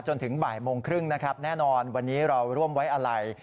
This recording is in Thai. จนถึงบ่ายโมงครึ่งนะครับแน่นอนวันนี้เราร่วมไว้อะไร